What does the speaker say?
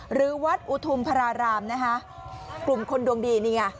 หรือวัดอุทุมพรารามนะคะกลุ่มคนดวงดีนี่ไง